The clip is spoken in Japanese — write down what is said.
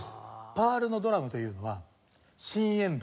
パールのドラムというのは真円度。